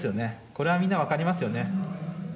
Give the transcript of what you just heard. これは、みんな分かりますよね。